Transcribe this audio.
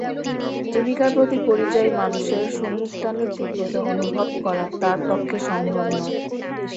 জীবিকার প্রতি পরিযায়ী মানুষের সম্মুখটানের তীব্রতা অনুভব করা তার পক্ষে সম্ভব নয়।